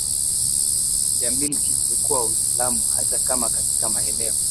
ya milki ilikuwa Uislamu hata kama katika maeneo